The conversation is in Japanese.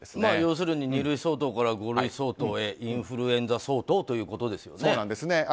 要するに二類相当から五類相当へインフルエンザ相当ということですよね。